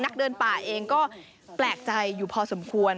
นักเดินป่าเองก็แปลกใจอยู่พอสมควร